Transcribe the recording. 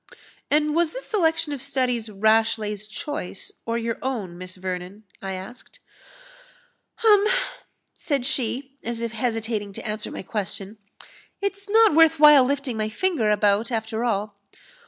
"And was this selection of studies Rashleigh's choice, or your own, Miss Vernon?" I asked. "Um!" said she, as if hesitating to answer my question, "It's not worth while lifting my finger about, after all.